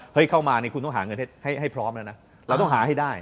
เข้ามาเนี่ยคุณต้องหาเงินให้พร้อมแล้วนะเราต้องหาให้ได้